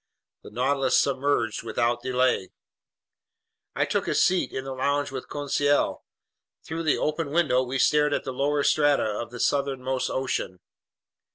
The Nautilus submerged without delay. I took a seat in the lounge with Conseil. Through the open window we stared at the lower strata of this southernmost ocean.